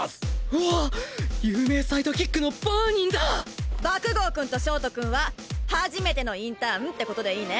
うわぁ有名サイドキックのバーニンだ！爆豪くんと焦凍くんは初めてのインターンってことでいいね？